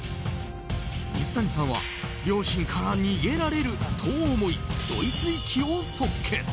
水谷さんは両親から逃げられると思いドイツ行きを即決！